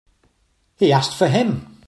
He asked for him.